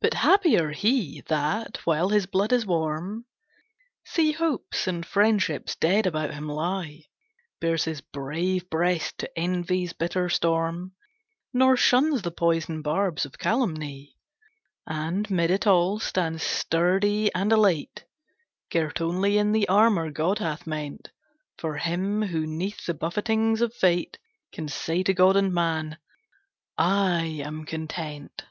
But happier he, that, while his blood is warm, See hopes and friendships dead about him lie Bares his brave breast to envy's bitter storm, Nor shuns the poison barbs of calumny; And 'mid it all, stands sturdy and elate, Girt only in the armor God hath meant For him who 'neath the buffetings of fate Can say to God and man: "I am content."